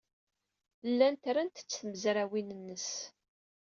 Llant rant-t tmezrawin-nnes.